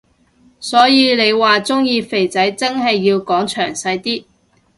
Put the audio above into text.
所以你話鍾意肥仔真係要講詳細啲